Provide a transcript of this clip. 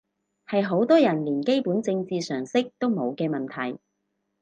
係好多人連基本政治常識都冇嘅問題